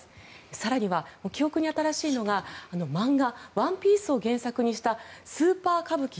更には、記憶に新しいのが漫画「ワンピース」を原作にしたスーパー歌舞伎